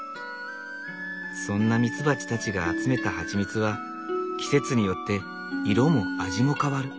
そんなミツバチたちが集めたハチミツは季節によって色も味も変わる。